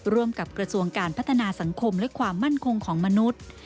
ร่วมกับกระทรวงการพัฒนาสังคมและความมั่นคงของมนุษย์